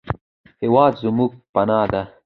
هېواد زموږ پناه دی